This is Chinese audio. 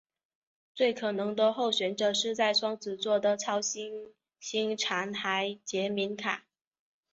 最可能的候选者是在双子座的超新星残骸杰敏卡。